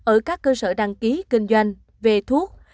ở các cơ sở đăng ký kinh doanh về thuốc